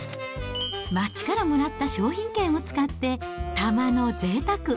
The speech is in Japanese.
町からもらった商品券を使って、たまのぜいたく。